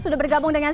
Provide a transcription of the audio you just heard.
sudah bergabung dengan